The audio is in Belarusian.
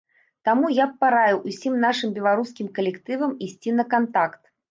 Таму я б параіў усім нашым беларускім калектывам ісці на кантакт.